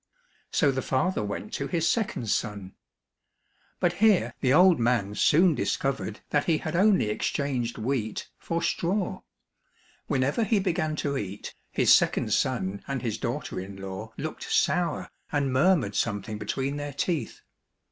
So the father went to^his second son. But here the old man soon discovered 219 COSSACK FAIRY TALES that he had only exchanged wheat for straw. When ever he began to eat, his second son and his daughter in law looked sour and murmured something between their teeth.